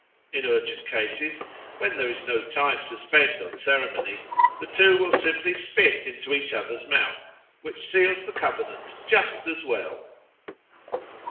In urgent cases, when there is no time to spend on ceremony, the two will simply spit into each other's mouth, which seals the covenant just as well.